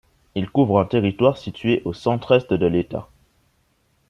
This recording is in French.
Il couvre un territoire situé au centre-est de l'État.